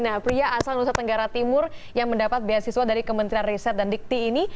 nah pria asal nusa tenggara timur yang mendapat beasiswa dari kementerian riset dan dikti ini